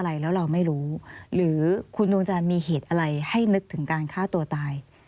ไม่มีเลยใช่ไหมคะ